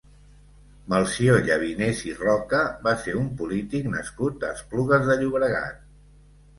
Melcior Llavinés i Roca va ser un polític nascut a Esplugues de Llobregat.